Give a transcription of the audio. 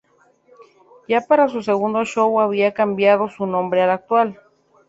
Ya para su segundo show habían cambiado su nombre al actual.